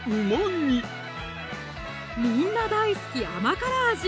みんな大好き甘辛味